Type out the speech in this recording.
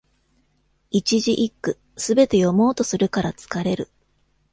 一字一句、すべて読もうとするから疲れる